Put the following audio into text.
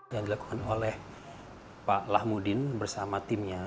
yang dilakukan oleh pak lahmudin bersama timnya